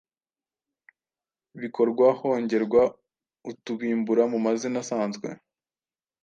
bikorwa hongerwa utubimbura mu mazina asanzwe